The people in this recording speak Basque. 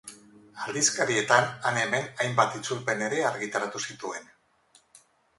Aldizkarietan han-hemen hainbat itzulpen ere argitaratu zituen.